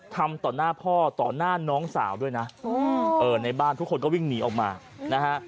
ทำต่อหน้าพ่อต่อหน้าน้องสาวด้วยนะในบ้านทุกคนก็วิ่งหนีออกมานะฮะ